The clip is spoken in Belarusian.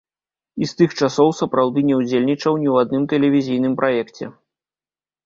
І з тых часоў сапраўды не ўдзельнічаў ні ў адным тэлевізійным праекце.